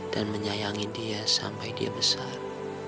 dan menyayangi dia sampai dia besar